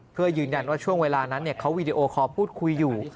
เพื่อยืนยันว่าช่วงเวลานั้นเขาวีดีโอคอลพูดคุยอยู่